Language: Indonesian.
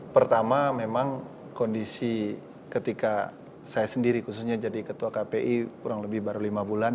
pertama memang kondisi ketika saya sendiri khususnya jadi ketua kpi kurang lebih baru lima bulan